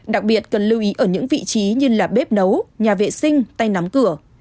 đặc biệt cần lưu ý ở những vị trí như là bếp nấu nhà vệ sinh tay nắm cửa